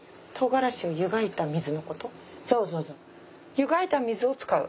湯がいた水を使う？